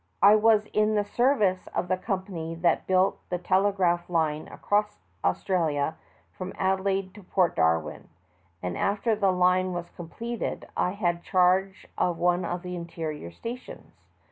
I was in the service of the company that built the telegraph line across Australia from Adelaide to Port Darwin, and after the line was completed I had charge of one of the interior stations.